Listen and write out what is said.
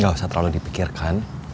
gak usah terlalu dipikirkan